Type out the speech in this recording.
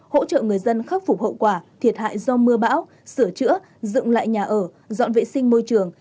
hỗ trợ người dân khắc phục hậu quả thiệt hại do mưa bão sửa chữa dựng lại nhà ở dọn vệ sinh môi trường